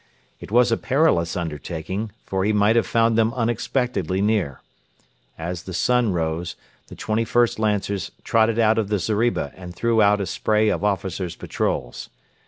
It was a perilous undertaking, for he might have found them unexpectedly near. As the sun rose, the 21st Lancers trotted out of the zeriba and threw out a spray of officers' patrols.